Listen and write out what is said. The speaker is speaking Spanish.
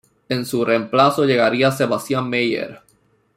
En su reemplazo llegaría Sebastian Meyer.